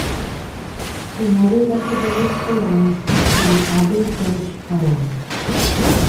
He noted that the village belonged to the Abu Ghosh clan.